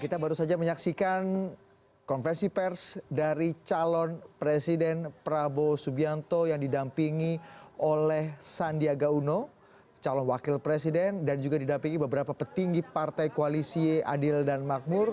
kita baru saja menyaksikan konferensi pers dari calon presiden prabowo subianto yang didampingi oleh sandiaga uno calon wakil presiden dan juga didampingi beberapa petinggi partai koalisi adil dan makmur